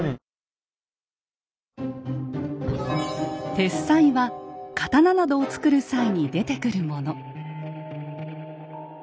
鉄滓は刀などを作る際に出てくるもの。